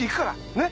ねっ！